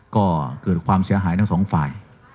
ก็เกิดความเสียหายทั้งสองฝ่าย